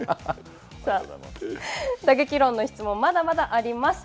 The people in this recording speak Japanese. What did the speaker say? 打撃論の質問、まだまだあります。